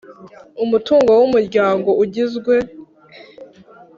Umutungo w Umuryango ugizwe